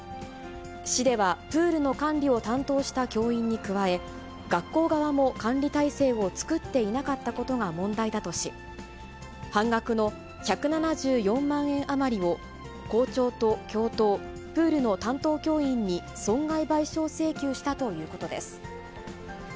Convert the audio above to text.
市では、プールの管理を担当した教員に加え、学校側も管理体制を作っていなかったことが問題だとし、半額の１７４万円余りを校長と教頭、プールの担当教員に損害賠償請求したということです。